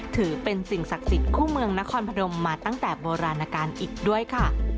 ถือเป็นสิ่งศักดิ์สิทธิ์คู่เมืองนครพนมมาตั้งแต่โบราณการอีกด้วยค่ะ